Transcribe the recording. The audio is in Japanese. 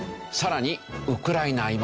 さらにウクライナ